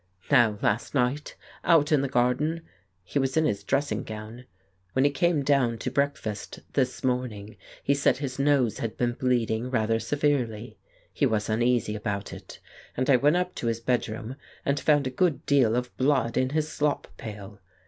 ... Now last night, out in the garden, he was in his dressing gown. Well, when he came down to breakfast this morning he said his nose had been bleeding rather severely. He was uneasy about it, and I went up to his bed room and found a good deal of blood in his slop pail.